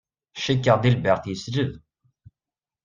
Cikkeɣ Delbert yesleb.